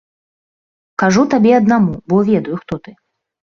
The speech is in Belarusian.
Кажу табе аднаму, бо ведаю, хто ты.